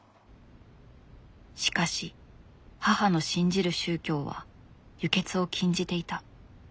しかし母の信じる宗教は輸血を禁じていた。